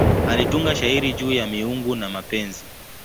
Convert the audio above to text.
Alitunga shairi juu ya miungu na mapenzi.